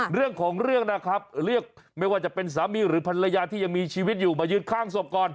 เรื่องของเรื่องนะครับเรียกไม่ว่าจะเป็นสามีหรือภรรยาที่ยังมีชีวิตอยู่มายืนข้างศพก่อน